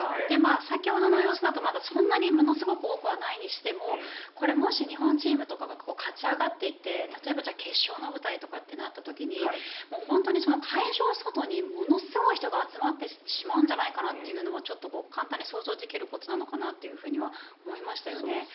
その様子だとものすごく多くないとしても日本チームが勝ち上がっていって例えば決勝の舞台とかってなった時に本当に会場の外にものすごい人が集まってしまうんじゃないかなというのは簡単に想像できることなのかなとは思いましたよね。